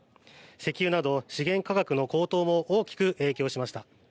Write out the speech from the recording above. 石油など資源価格の高騰も大きく影響しました。